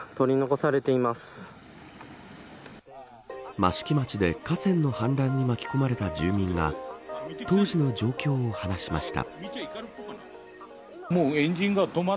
益城町で、河川の氾濫に巻き込まれた住民が当時の状況を話しました。